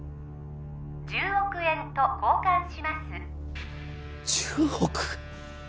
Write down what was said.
１０億円と交換します１０億！？